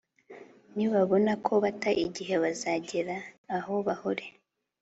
nibabona ko bata igihe, bazagera aho bahore